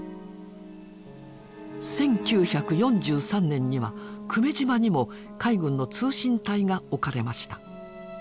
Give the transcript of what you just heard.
１９４３年には久米島にも海軍の通信隊が置かれました。